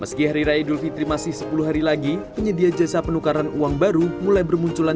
meski hari raya idul fitri masih sepuluh hari lagi penyedia jasa penukaran uang baru mulai bermunculan